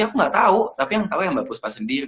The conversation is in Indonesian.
aku gak tau tapi yang tau ya mbak fuspa sendiri